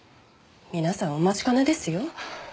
皆さんお待ちかねですよ。